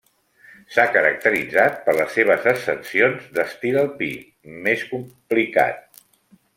S'ha caracteritzat per les seves ascensions d'estil alpí, més complicat.